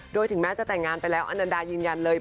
โดยถึงแม้จะแต่งงานไปแล้วอนันดายืนยันเลย